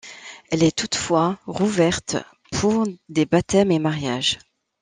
Elle est toutefois rouverte pour des baptêmes et mariages.